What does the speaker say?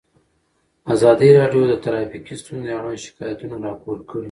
ازادي راډیو د ټرافیکي ستونزې اړوند شکایتونه راپور کړي.